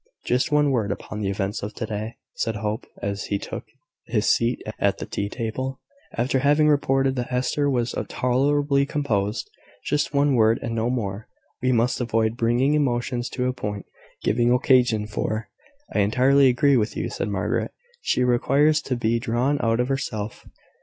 "Just one word upon the events of to day," said Hope, as he took his seat at the tea table, after having reported that Hester was tolerably composed: "just one word, and no more. We must avoid bringing emotions to a point giving occasion for " "I entirely agree with you," said Margaret. "She requires to be drawn out of herself.